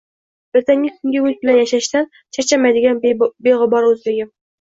ertangi kunga umid bilan yashashdan charchamaydigan beg‘ubor o‘zbegim.